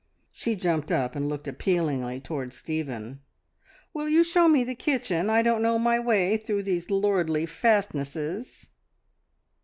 She jumped up and looked appealingly towards Stephen. "Will you show me the kitchen? I don't know my way through these lordly fastnesses!"